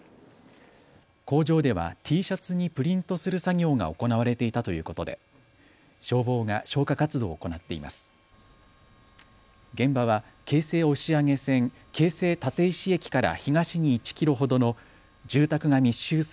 工場ではＴシャツにプリントする作業が行われていたということで消防が消火活動を行っています。